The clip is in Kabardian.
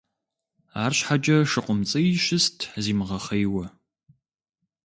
АрщхьэкӀэ ШыкъумцӀий щыст зимыгъэхъейуэ.